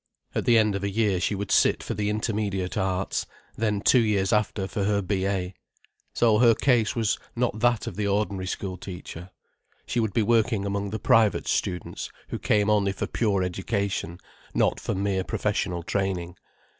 At the end of a year she would sit for the Intermediate Arts, then two years after for her B.A. So her case was not that of the ordinary school teacher. She would be working among the private students who came only for pure education, not for mere professional training.